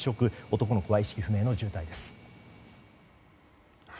男の子は意識不明の重体です。